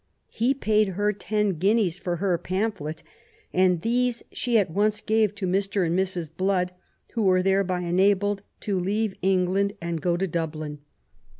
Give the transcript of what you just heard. He paid her ten guineas for her pamphlet, and these she at once gave to Mr. and Mrs. Blood, who were thereby enabled to leave England and go to Dublin.